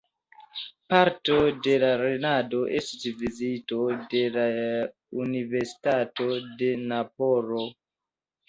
Parto de la lernado estis vizito de la Universitato de Napolo.